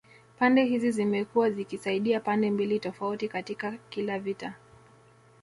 Pande hizi zimekuwa zikisaidia pande mbili tofauti katika kila vita